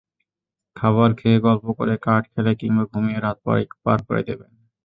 খাবার খেয়ে, গল্প করে, কার্ড খেলে কিংবা ঘুমিয়ে রাত পার করে দেবেন।